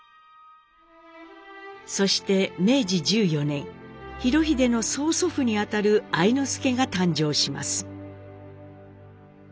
そして明治１４年裕英の曽祖父にあたる愛之助が誕生します。